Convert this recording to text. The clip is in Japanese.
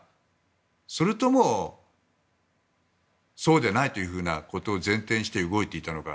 それともそうでないということを前提にして動いていたのか。